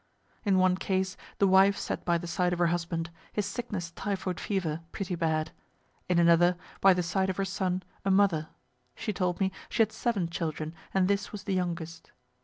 In one case, the wife sat by the side of her husband, his sickness typhoid fever, pretty bad. In another, by the side of her son, a mother she told me she had seven children, and this was the youngest.